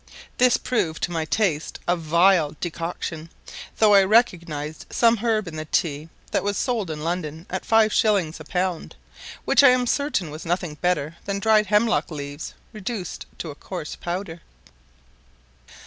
This proved, to my taste, a vile decoction; though I recognized some herb in the tea that was sold in London at five shillings a pound, which I am certain was nothing better than dried hemlock leaves reduced to a coarse powder.